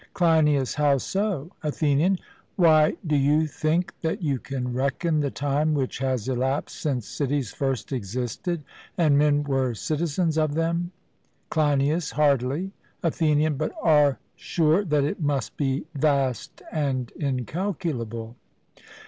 CLEINIAS: How so? ATHENIAN: Why, do you think that you can reckon the time which has elapsed since cities first existed and men were citizens of them? CLEINIAS: Hardly. ATHENIAN: But are sure that it must be vast and incalculable?